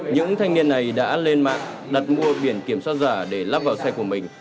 những thanh niên này đã lên mạng đặt mua biển kiểm soát giả để lắp vào xe của mình